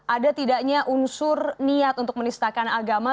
ada tidaknya unsur niat untuk menistakan agama